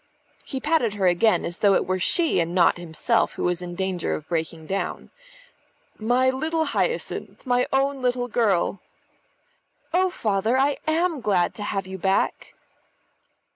He patted her again, as though it were she and not himself who was in danger of breaking down. "My little Hyacinth! My own little girl!" "Oh, Father, I am glad to have you back."